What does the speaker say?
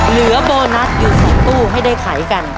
เหลือโบนัสอยู่สหกตู้ให้ได้ขายกัน